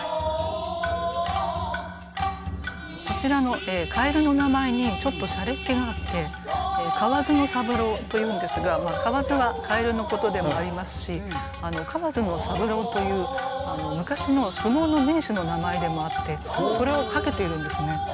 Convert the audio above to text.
こちらの蛙の名前にちょっと洒落っ気があって蛙の武者というんですが蛙は蛙のことでもありますし河津三郎という昔の相撲の名手の名前でもあってそれを掛けているんですね。